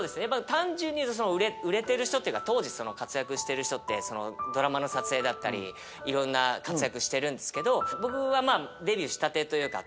単純にいうと売れてる人っていうか当時活躍してる人ってドラマの撮影だったりいろんな活躍してるんですけど僕は。